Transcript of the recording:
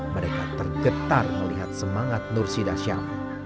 mereka tergetar melihat semangat nursi dasyam